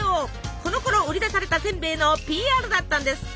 このころ売り出されたせんべいのＰＲだったんですって！